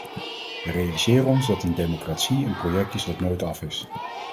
We realiseren ons dat een democratie een project is dat nooit af is.